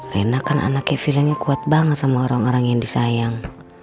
rena kan anak kayak feelingnya kuat banget sama orang orang yang disayang